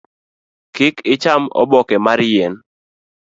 Kik icham oboke mar yien.